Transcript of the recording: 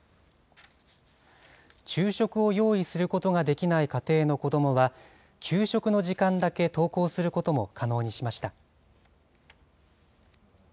昼食を用意することができない家庭の子どもは、給食の時間だけ登校することも可能にしました。